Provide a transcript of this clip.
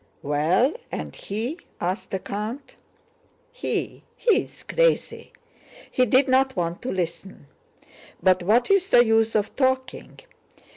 "Well, and he?" asked the count. "He? He's crazy... he did not want to listen. But what's the use of talking?